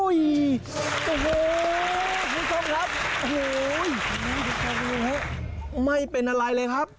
นี่ดีกว่าไม่เป็นอะไรเลยครับ